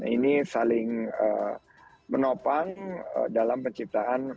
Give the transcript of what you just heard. ini saling menopang dalam perusahaan musik